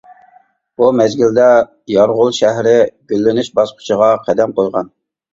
بۇ مەزگىلدە يارغول شەھىرى گۈللىنىش باسقۇچىغا قەدەم قويغان.